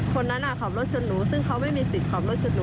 คนนั้นขับรถชนหนูซึ่งเขาไม่มีสิทธิ์ขับรถชนหนู